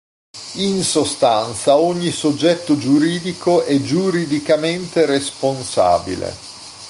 In sostanza ogni soggetto giuridico è giuridicamente responsabile.